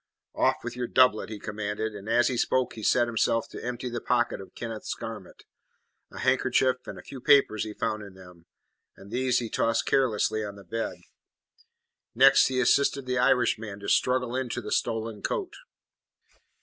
"Off with your doublet," he commanded, and as he spoke he set himself to empty the pocket of Kenneth's garment; a handkerchief and a few papers he found in them, and these he tossed carelessly on the bed. Next he assisted the Irishman to struggle into the stolen coat.